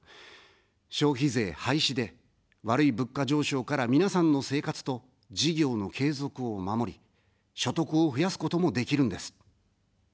消費税廃止で、悪い物価上昇から皆さんの生活と、事業の継続を守り、所得を増やすこともできるんです。